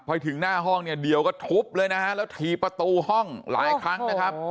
พอถึงหน้าห้องเนี่ยเดี่ยวก็ทุบเลยนะฮะแล้วถี่ประตูห้องหลายครั้งนะครับ